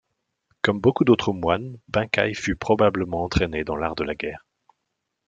Comme beaucoup d'autres moines, Benkei fut probablement entraîné dans l'art de la guerre.